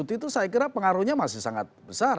dan dikutip itu saya kira pengaruhnya masih sangat besar